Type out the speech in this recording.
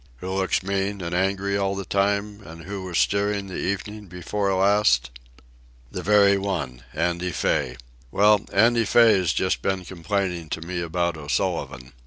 "Who looks mean and angry all the time, and who was steering the evening before last?" "The very one—Andy Fay. Well, Andy Fay's just been complaining to me about O'Sullivan.